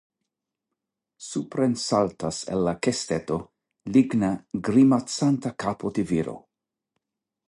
Supren saltas el la kesteto ligna grimacanta kapo de viro.